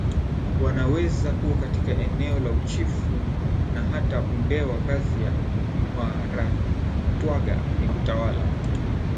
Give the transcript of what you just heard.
wanaweza kuwa katika eneo la Uchifu na hata Undewa Kazi ya Muharatwaga ni kutawala